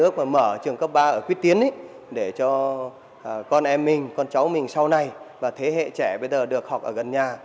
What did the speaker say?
cấp ba ở quyết tiến để cho con em mình con cháu mình sau này và thế hệ trẻ bây giờ được học ở gần nhà